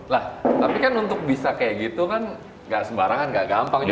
nah tapi kan untuk bisa kayak gitu kan nggak sembarangan nggak gampang juga